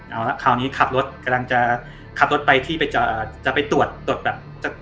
เอาละคราวนี้ขับรถกำลังจะขับรถไปที่จะไปตรวจตรวจแบบจะ